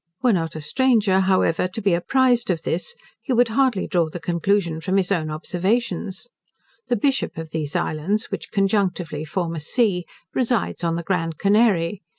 Were not a stranger, however, to be apprized of this, he would hardly draw the conclusion from his own observations. The Bishop of these islands, which conjunctively form a See, resides on the Grand Canary.